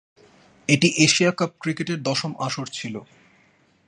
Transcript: এটি Asia cup ক্রিকেটের দশম আসর ছিল।